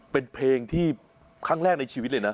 เป็นเพลงที่ครั้งแรกในชีวิตเลยนะ